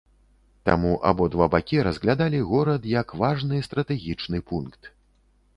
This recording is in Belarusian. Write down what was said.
Таму абодва бакі разглядалі горад як важны стратэгічны пункт.